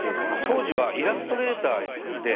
当時はイラストレーターで。